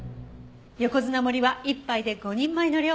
横綱盛りは１杯で５人前の量。